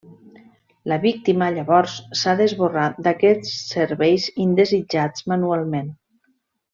La víctima llavors s'ha d'esborrar d'aquests serveis indesitjats manualment.